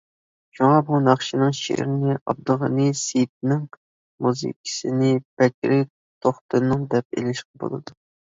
شۇڭا بۇ ناخشىنىڭ شېئىرىنى ئابدۇغېنى سېيىتنىڭ، مۇزىكىسىنى بەكرى توختىنىڭ دەپ ئېلىشقا بولىدۇ.